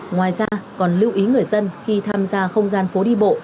ngoài ra còn lưu ý người dân khi tham gia không gian phố đi bộ